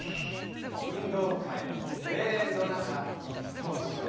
「運動会声援の中一等賞」。